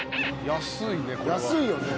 安いよね